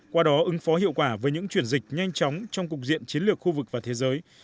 qua đó ứng phó hiệu quả với những chuyển dịch nhanh chóng trong cục diện chiến lược khu vực và thế giới